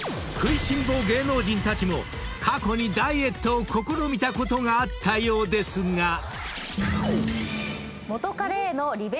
［食いしん坊芸能人たちも過去にダイエットを試みたことがあったようですが］